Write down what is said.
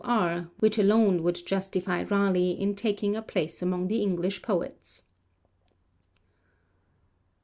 R. which alone would justify Raleigh in taking a place among the English poets.